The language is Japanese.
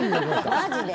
マジで？